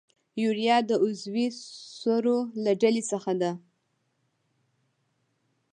یوریا د عضوي سرو له ډلې څخه ده.